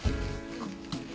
あっ！